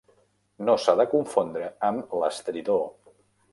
No s'ha de confondre amb l'estridor.